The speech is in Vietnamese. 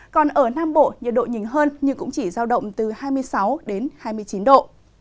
còn ở nam bộ nhiệt độ nhìn hơn nhưng cũng chỉ giao động từ hai mươi sáu đến hai mươi chín độ